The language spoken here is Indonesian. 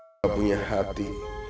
aku punya hati